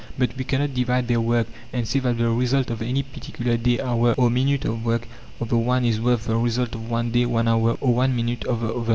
But we cannot divide their work, and say that the result of any particular day, hour, or minute of work of the one is worth the result of one day, one hour, or one minute of the other.